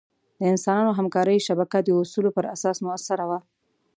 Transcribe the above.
د انسانانو همکارۍ شبکه د اصولو پر اساس مؤثره وه.